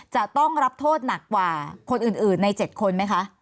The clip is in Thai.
จะต้องรับโทษหนักกว่าคนอื่นใน๗คนไหมคะ